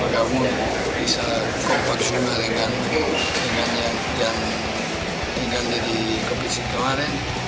bergabung bisa kompaksima dengan yang tinggalnya di kompisi kemarin